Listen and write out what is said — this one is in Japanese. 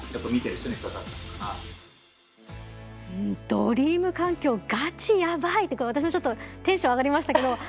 「ドリーム環境がちやばい」とか私もちょっとテンション上がりましたけど。